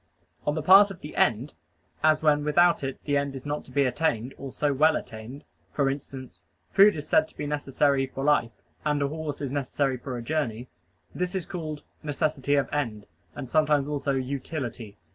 On the part of the end, as when without it the end is not to be attained or so well attained: for instance, food is said to be necessary for life, and a horse is necessary for a journey. This is called "necessity of end," and sometimes also "utility."